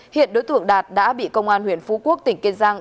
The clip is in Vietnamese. hiện đối tượng đạt đã bị công an huyện phú quốc tỉnh kiên giang